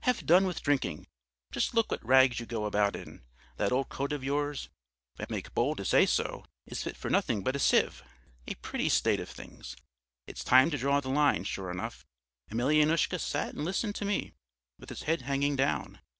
Have done with drinking! Just look what rags you go about in: that old coat of yours, if I may make bold to say so, is fit for nothing but a sieve. A pretty state of things! It's time to draw the line, sure enough.' Emelyanoushka sat and listened to me with his head hanging down.